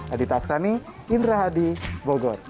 adi taksani indra hadi bogor